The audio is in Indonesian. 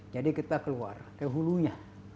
jadi kita keluar ke hulunya